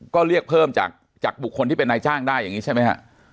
ก็เรียกเพิ่มจากบุคคลที่เป็นนายจ้างได้อย่างนี้ใช่ไหมฮะ